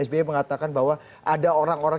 sbi mengatakan bahwa ada orang orang